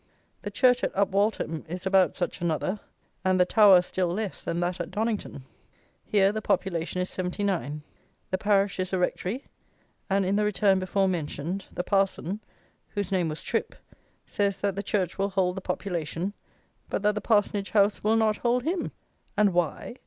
The church at Upwaltham is about such another, and the "tower" still less than that at Donnington. Here the population is seventy nine. The parish is a rectory, and in the Return before mentioned, the parson (whose name was Tripp) says that the church will hold the population, but that the parsonage house will not hold him! And why?